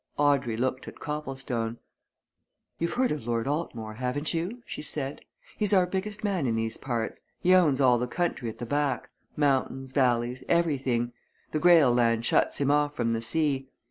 Audrey looked at Copplestone. "You've heard of Lord Altmore, haven't you?" she said. "He's our biggest man in these parts he owns all the country at the back, mountains, valleys, everything. The Greyle land shuts him off from the sea.